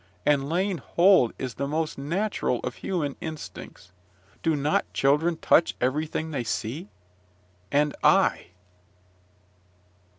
And laying hold is the most natural of human instincts. Do not children touch everything they see? And I!